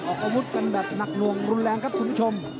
ออกอาวุธกันแบบหนักหน่วงรุนแรงครับคุณผู้ชม